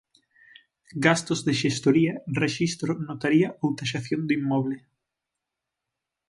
Gastos de xestoría, rexistro, notaría ou taxación do inmoble.